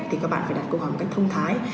thì các bạn phải đặt câu hỏi một cách thông thái